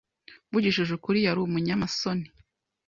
Mvugishije ukuri, yari umunyamasoni.